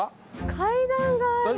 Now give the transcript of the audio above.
階段がある。